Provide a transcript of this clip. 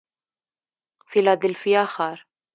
فیلادلفیا ښار